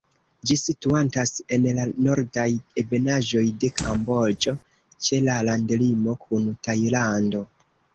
Ĝi situantas en la nordaj ebenaĵoj de Kamboĝo, ĉe la landlimo kun Tajlando.